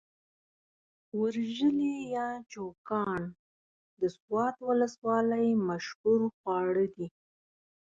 ورژلي يا چوکاڼ د سوات ولسوالۍ مشهور خواړه دي.